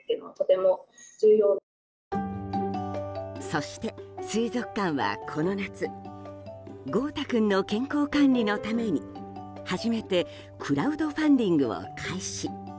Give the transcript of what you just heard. そして、水族館はこの夏豪太君の健康管理のために初めてクラウドファンディングを開始。